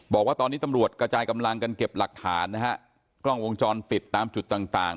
บอกว่าตอนนี้ตำรวจกระจายกำลังกันเก็บหลักฐานนะฮะกล้องวงจรปิดตามจุดต่างต่าง